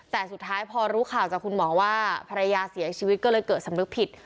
แต่สุดท้ายพอรู้ข่าวจากคุณหมอว่าภรรยาเสียชีวิตก็เลยเกิดสำนึกผิด